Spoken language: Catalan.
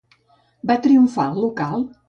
Va triomfar el local?